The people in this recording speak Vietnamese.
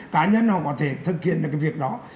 cá nhân họ có thể thực hiện được cái việc đó